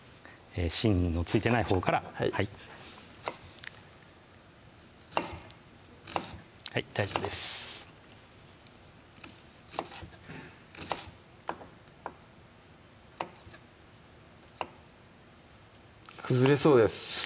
芯の付いてないほうから大丈夫です崩れそうです